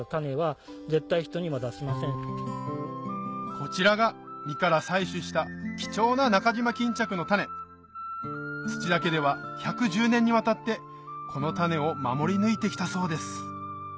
こちらが実から採取した貴重な中島巾着の種田家では１１０年にわたってこの種を守り抜いて来たそうです